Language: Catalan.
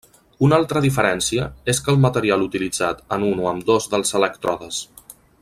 Una altra diferència és que el material utilitzat en un o ambdós dels elèctrodes.